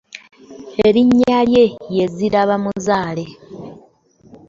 Erinnya lye ye Zirabamuzaale.